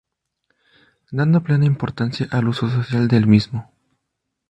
Dando plena importancia al uso social del mismo.